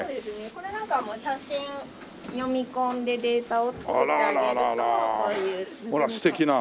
これなんかは写真読み込んでデータを作ってあげるとこういう。